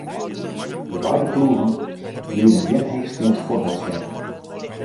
De beide ploegen lieten gjin heechsteand fuotbal sjen.